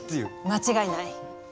間違いない。